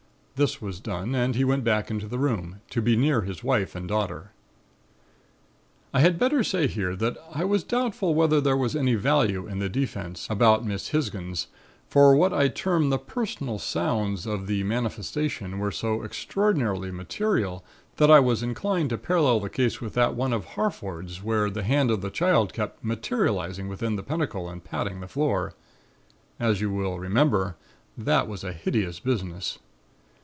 This was done and he went back into the room, to be near his wife and daughter. "I had better say here that I was doubtful whether there was any value in the 'Defense' about Miss Hisgins, for what I term the 'personal sounds' of the manifestation were so extraordinarily material that I was inclined to parallel the case with that one of Harford's where the hand of the child kept materializing within the pentacle and patting the floor. As you will remember, that was a hideous business.